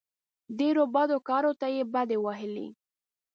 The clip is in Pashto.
ډېرو بدو کارو ته یې بډې وهلې.